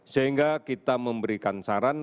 sehingga kita memberikan sasaran